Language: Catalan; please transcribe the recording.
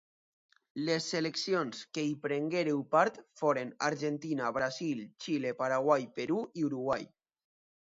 Les seleccions que hi prengueren part foren Argentina, Brasil, Xile, Paraguai, Perú, i Uruguai.